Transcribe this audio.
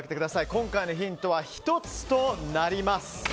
今回のヒントは１つとなります。